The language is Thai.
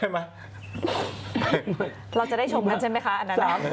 เราจะได้ชมกันใช่ไหมคะอันนั้น